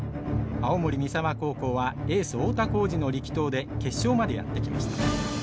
青森三沢高校はエース太田幸司の力投で決勝までやって来ました。